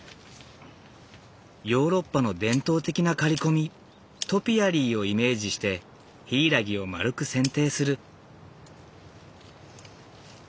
ヨーロッパの伝統的な刈り込みトピアリーをイメージしてヒイラギを丸く剪定する。